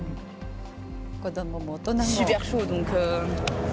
子どもも大人も。